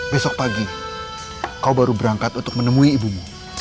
besok pagi kau baru berangkat untuk menemui ibumu